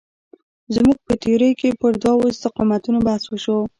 زموږ په تیورۍ کې پر دوو استقامتونو بحث وشو.